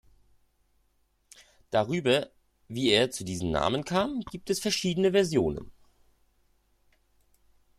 Darüber, wie er zu diesem Namen kam, gibt es verschiedene Versionen.